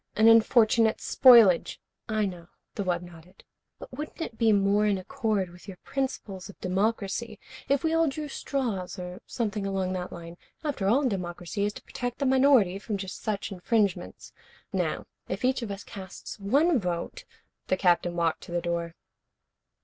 An unfortunate spoilage " "I know." The wub nodded. "But wouldn't it be more in accord with your principles of democracy if we all drew straws, or something along that line? After all, democracy is to protect the minority from just such infringements. Now, if each of us casts one vote " The Captain walked to the door.